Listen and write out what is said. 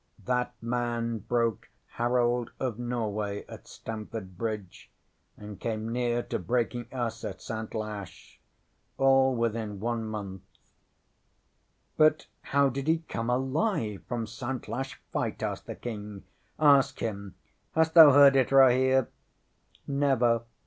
ŌĆ£That man broke Harold of Norway at Stamford Bridge, and came near to breaking us at Santlache all within one month. ŌĆØ ŌĆśŌĆ£But how did he come alive from Santlache fight? ŌĆØ asked the King. ŌĆ£Ask him! Hast thou heard it, Rahere? ŌĆØ ŌĆ£Never.